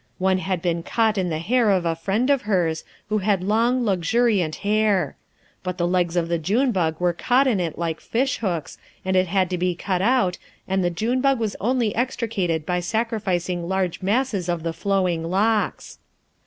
One had been caught in the hair of a friend of hers, who had long, luxuriant hair. But the legs of the June bug were caught in it like fishhooks, and it had to be cut out, and the June bug was only extricated by sacrificing large masses of the flowing locks.